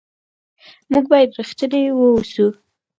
موږ باید رښتیني واوسو.